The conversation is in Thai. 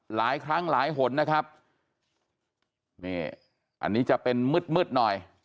หลายครั้งหลายหนนะครับนี่อันนี้จะเป็นมืดมืดหน่อย